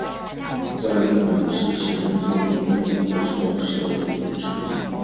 在日本其写真作品拥有不错的销售成绩。